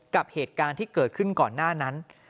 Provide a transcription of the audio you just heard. กับเหตุการณ์ที่เกิดขึ้นก่อนหน้านั้น